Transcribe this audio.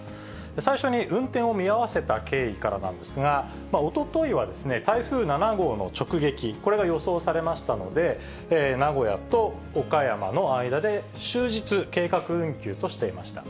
最初に運転を見合わせた経緯からなんですが、おとといは、台風７号の直撃、これが予想されましたので、名古屋と岡山の間で、終日計画運休としていました。